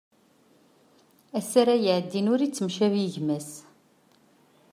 Ass ara iɛeddin ur yettcabi gma-s.